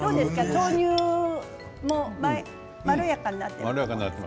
豆乳もまろやかになって。